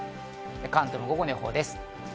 関東の午後の予報です。